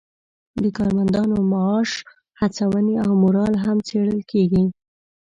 د کارمندانو معاش، هڅونې او مورال هم څیړل کیږي.